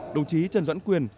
đồng chí trần doãn quyền